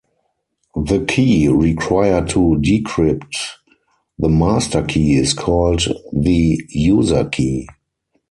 The key required to decrypt the master key is called the "user key".